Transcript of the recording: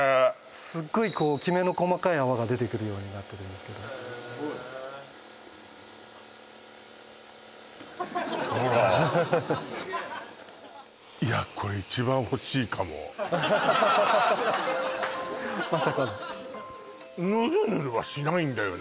すっごいきめの細かい泡が出てくるようになってるんですけどほらかもまさかのヌルヌルはしないんだよね